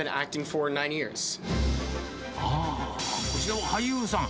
あー、こちらは俳優さん。